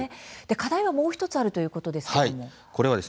課題は、もう１つあるということですけれども。